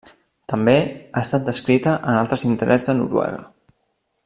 També ha estat descrita en altres indrets de Noruega.